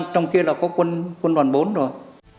trong kia là có quân quân đoàn bốn rồi